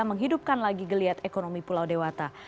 menghidupkan lagi geliat ekonomi pulau dewata